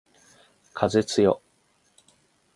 風つよ